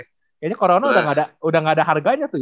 kayaknya corona udah gak ada harganya tuh